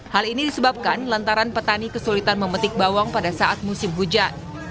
hal ini disebabkan lantaran petani kesulitan memetik bawang pada saat musim hujan